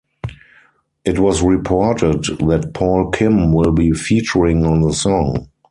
It was reported that Paul Kim will be featuring on the song.